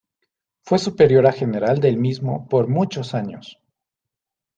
Fue superiora general del mismo por muchos años.